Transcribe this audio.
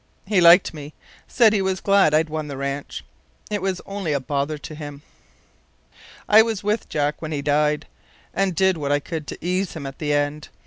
He liked me. Said he was glad I'd won the ranch. It was only a bother to him. "I was with Jack when he died, and did what I could to ease him at the end.